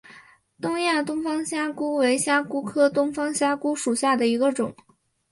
东亚东方虾蛄为虾蛄科东方虾蛄属下的一个种。